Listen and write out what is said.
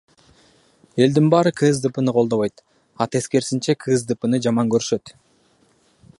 Элдин баары КСДПны колдобойт, а тескерисинче КСДПны жаман көрүшөт.